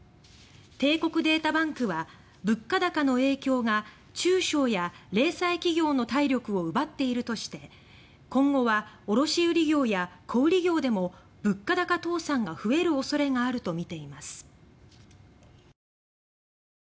帝国データバンクは物価高の影響が中小や零細企業の体力を奪っているとして今後は卸売業や小売業でも「物価高倒産」が増える恐れがあるとみています。